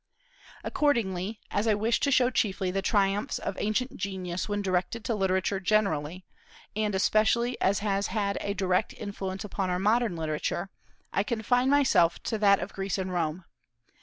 Accordingly, as I wish to show chiefly the triumphs of ancient genius when directed to literature generally, and especially such as has had a direct influence upon our modern literature, I confine myself to that of Greece and Rome.